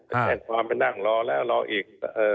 แจ้งความไปนั่งรอแล้วรออีก